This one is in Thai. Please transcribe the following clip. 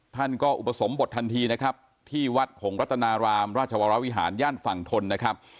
ท่านก็อุปสมบททันทีนะครับที่วัดหงรัตนารามราชวรวิหารย่านฝั่งทนนะครับ